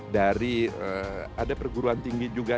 dari ada perguruan tinggi juga